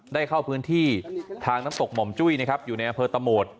ได้เข้าพื้นที่ทางน้ำตกหม่อมจุ้ยนะครับอยู่ในอำเภอตะโหมด